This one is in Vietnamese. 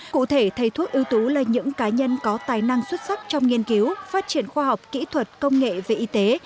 cụ thể thầy thuốc ưu tú là những cá nhân có tài năng xuất sắc trong nghiên cứu phát triển khoa học kỹ thuật công nghệ về y tế